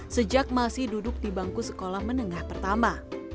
sejak masih duduk di bangku sekolah menengah pertama